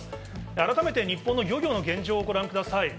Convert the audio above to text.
改めて日本の漁業の現状をご覧ください。